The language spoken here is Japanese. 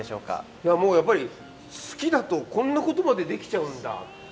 もうやっぱり好きだとこんなことまでできちゃうんだって。